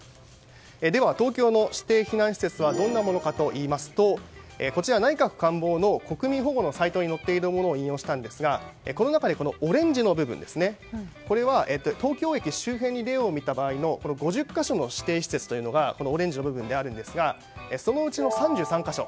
では、東京の指定避難施設はどういうものかといいますとこちら、内閣官房の国民保護のサイトに載っているものを引用したんですがこの中のオレンジの部分これは東京駅周辺を例に見た場合の５０か所の指定施設がオレンジの部分になるんですがそのうちの３３か所